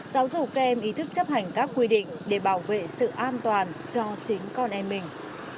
giáo dục kèm ý thức chấp hành các quy định để bảo vệ sự an toàn cho chính con em mình